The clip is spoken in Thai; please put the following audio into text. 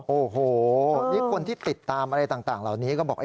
โอ้โหนี่คนที่ติดตามอะไรต่างเหล่านี้ก็บอก